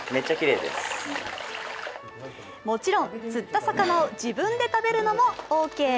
もちろん釣った魚を自分で食べるのもオーケー。